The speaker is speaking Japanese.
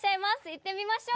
行ってみましょう！